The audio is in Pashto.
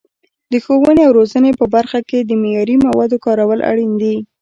د ښوونې او روزنې په برخه کې د معیاري موادو کارول اړین دي.